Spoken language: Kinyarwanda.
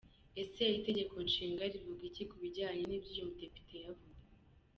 Ese Itegeko Nshinga rivuga iki ku bijyanye n’ibyo uyu mudepite yavuze?.